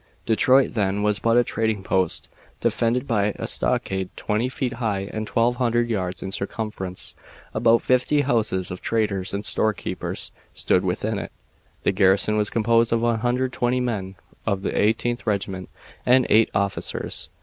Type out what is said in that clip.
"Detroit then was but a trading post, defended by a stockade twenty feet high and twelve hundred yards in circumference. About fifty houses of traders and storekeepers stood within it. The garrison was composed of 120 men of the Eighteenth Regiment and 8 officers.